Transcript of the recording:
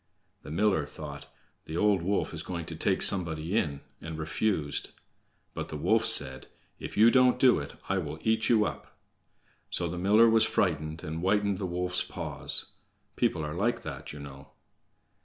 The miller thought, "The old wolf is going to take somebody in," and refused. But the wolf said: "If you don't do it, I will eat you up." So the miller was frightened, and whitened the wolf's paws. People are like that, you know.